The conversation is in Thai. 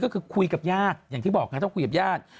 คุยกับญาติอย่างที่บอกนะครับต้องคุยกับญาติ